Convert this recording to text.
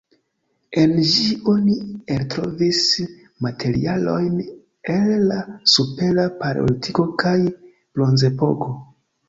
En ĝi oni eltrovis materialojn el la Supera paleolitiko kaj Bronzepoko.